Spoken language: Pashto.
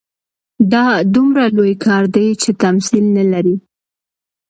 دا دومره لوی کار دی چې تمثیل نه لري.